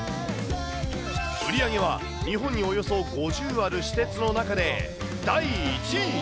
売り上げは、日本におよそ５０ある私鉄の中で、第１位。